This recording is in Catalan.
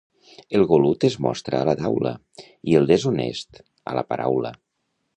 El golut es mostra a la taula i el deshonest, a la paraula.